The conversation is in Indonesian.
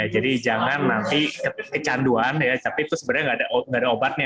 jadi jangan nanti kecanduan tapi itu sebenarnya nggak ada obatnya